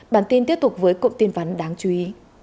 bản tin tiếp tục với cộng tin vấn đáng chú ý